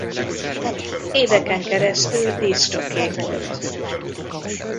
Éveken keresztül disc jockey volt.